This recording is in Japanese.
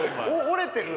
折れてる？